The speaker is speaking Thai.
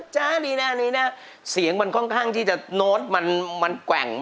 จ้าดีนะอันนี้นะเสียงมันค่อนข้างที่จะโน้ตมันแกว่ง